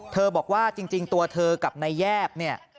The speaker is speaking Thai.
เธอบอกว่าจริงตัวเธอกับนายแยบ